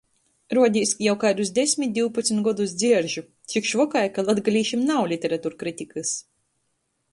Ruodīs, jau kaidus desmit divpadsmit godus dzieržu – cik švaki, ka latgalīšim nav literaturkritikys.